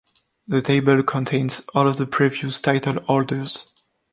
The table contains all of the previous title holders.